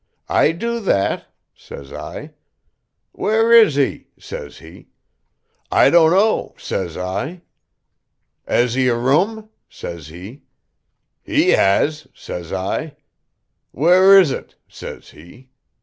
'I do that,' says I. 'Where is he?' says he. 'I don't know,' says I. 'Has 'e a room?' says he. 'He has,' says I. 'Where is it?' says he.